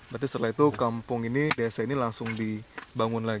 berarti setelah itu kampung ini desa ini langsung dibangun lagi